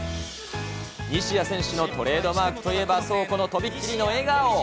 西矢選手のトレードマークといえばそう、この飛び切りの笑顔。